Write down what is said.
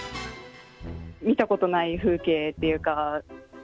見たことない風景っていうか。